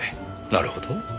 なるほど。